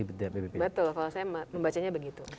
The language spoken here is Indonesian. betul kalau saya membacanya begitu